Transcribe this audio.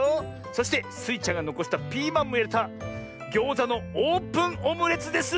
そしてスイちゃんがのこしたピーマンもいれたギョーザのオープンオムレツです！